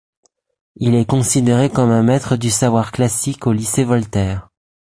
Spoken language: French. Il est considéré comme un maître du savoir classique au lycée Voltaire.